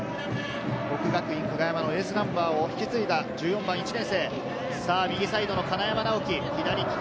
國學院久我山のエースナンバーを引き継いだ１４番、１年生、右サイドの金山尚生、左利き。